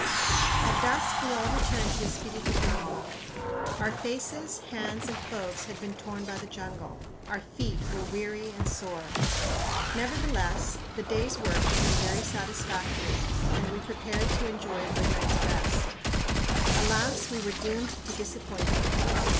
At dusk we all returned to Espiritu Pampa. Our faces, hands, and clothes had been torn by the jungle; our feet were weary and sore. Nevertheless the day's work had been very satisfactory and we prepared to enjoy a good night's rest. Alas, we were doomed to disappointment.